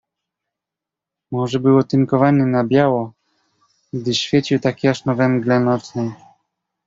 "Może był otynkowany na biało, gdyż świecił tak jasno we mgle nocnej."